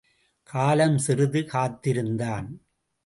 காலம் சிறிது காத்திருந்தான்.